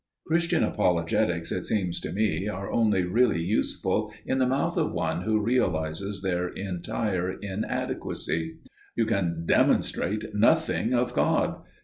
Christian apologetics, it seems to me, are only really useful in the mouth of one who realises their entire inadequacy. You can demonstrate nothing of God.